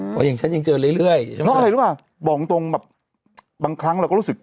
อืมอย่างฉันยังเจอเรื่อยเรื่อยน่ะอะไรรึเปล่าบอกตรงแบบบางครั้งเราก็รู้สึก